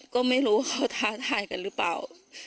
ก็ไม่รู้เขาท้าทายกันหรือเปล่า